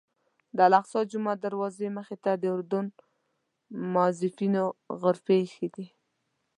د الاقصی جومات دروازې مخې ته د اردن موظفینو غرفې ایښي دي.